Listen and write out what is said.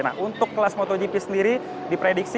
nah untuk kelas motogp sendiri diprediksi